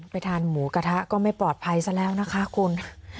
ไปทานหมูกระทะก็ไม่ปลอดภัยซะแล้วนะคะคุณ